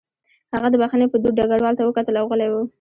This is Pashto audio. هغه د بښنې په دود ډګروال ته وکتل او غلی و